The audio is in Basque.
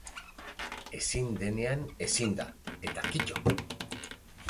Ezin denean ezin da, eta kitto!